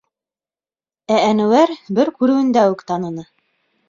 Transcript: Ә Әнүәр бер күреүендә үк таныны.